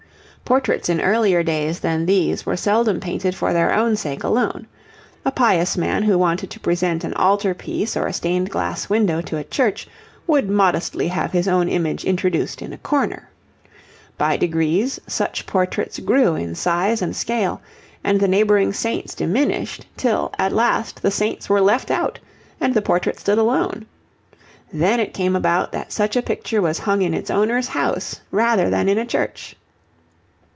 Portraits in earlier days than these were seldom painted for their own sake alone. A pious man who wanted to present an altar piece or a stained glass window to a church would modestly have his own image introduced in a corner. By degrees such portraits grew in size and scale, and the neighbouring saints diminished, till at last the saints were left out and the portrait stood alone. Then it came about that such a picture was hung in its owner's house rather than in a church.